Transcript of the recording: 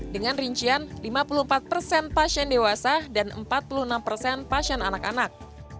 dengan rincian lima puluh empat persen pasien dewasa dan empat puluh enam persen pasien anak anak